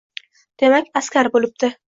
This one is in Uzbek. Demak, askar bo'libdi.